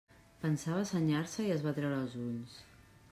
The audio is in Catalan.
Pensava senyar-se i es va treure els ulls.